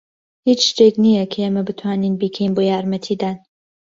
هیچ شتێک نییە کە ئێمە بتوانین بیکەین بۆ یارمەتیدان.